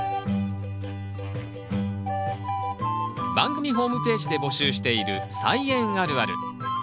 番組ホームページで募集している「菜園あるある」。